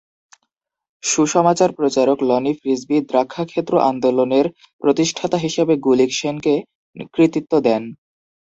সুসমাচার প্রচারক lonely frisbee দ্রাক্ষাক্ষেত্র আন্দোলনের প্রতিষ্ঠাতা হিসেবে গুলিকসেনকে কৃতিত্ব দেন।